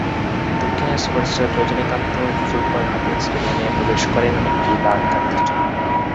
দক্ষিণের superstar Rajinikanth football হাতে স্টেডিয়ামে প্রবেশ করেন একটি লাল গাড়িতে চড়ে।